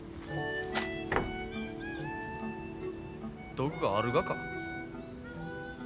毒があるがか。